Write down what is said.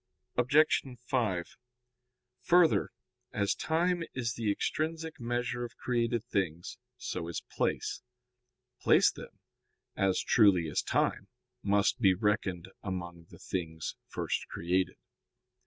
Obj. 5: Further, as time is the extrinsic measure of created things, so is place. Place, then, as truly as time, must be reckoned among the things first created.